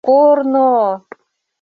Корно!